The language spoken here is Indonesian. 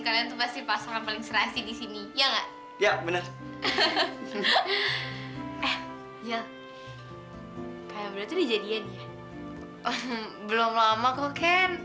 kalian pasti pasangan paling serasi di sini ya nggak ya bener bener jadinya belum lama kok